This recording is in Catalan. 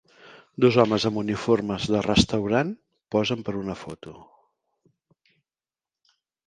Dos homes amb uniformes de restaurant posen per una foto.